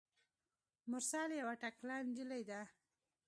مرسل یوه تکړه نجلۍ ده.